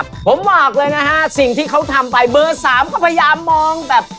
ผมบอกเลยนะฮะสิ่งที่เขาทำไปเบอร์สามก็พยายามมองแบบ